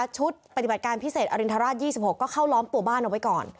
ชุดปฏิบัติการพิเศษอรินทราช๒๖ก็เข้าล้อมตัวบ้านเอาไว้ก่อน